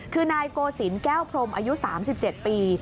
คือนายโกศิลป์แก้วพรมอายุ๓๗ปี